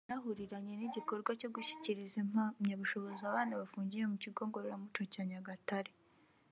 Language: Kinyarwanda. wanahuriranye n’igikorwa cyo gushyikiriza impamyabushobozi abana bafungiye mu kigo Ngororamuco cya Nyagatare